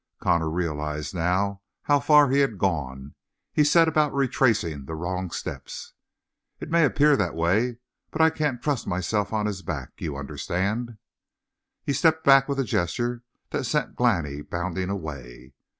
Connor realized now how far he had gone; he set about retracing the wrong steps. "It may appear that way, but I can't trust myself on his back. You understand?" He stepped back with a gesture that sent Glani bounding away.